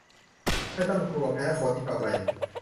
ไม่ต้องกลัวแพ้ขนอีกต่อไป